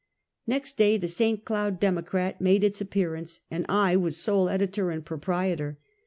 IText day the Si. Cloud Democrat made its ap pearance, and I was sole editor and proprietor.